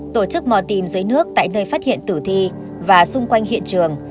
tổ chức mò tìm dưới nước tại nơi phát hiện tử thi và xung quanh hiện trường